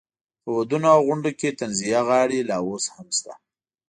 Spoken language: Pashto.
په ودونو او غونډو کې طنزیه غاړې لا اوس هم شته.